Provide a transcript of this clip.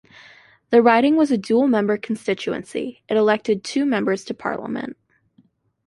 The riding was a dual-member constituency-it elected two members to Parliament.